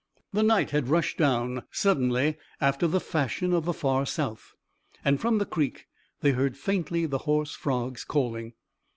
The night had rushed down suddenly after the fashion of the far South, and from the creek they heard faintly the hoarse frogs calling.